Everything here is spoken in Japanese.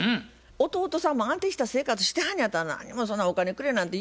弟さんも安定した生活してはんのやったら何もそんなお金くれなんて言うたらあかんと思いますわ。